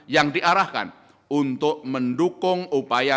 yang diarahkan untuk mendukung upaya